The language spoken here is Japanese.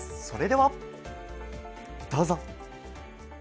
それでは、どうぞ。